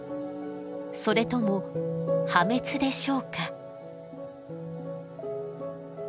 それとも破滅でしょうか？